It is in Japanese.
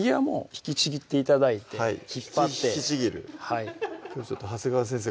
引きちぎって頂いて引っ張って引きちぎるはい長谷川先生